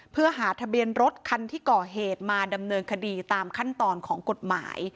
เพื่อหาทะเบียนรถคันที่ก่อเหตุมาดำเนินคดีตามขั้นตอนของกฎหมาย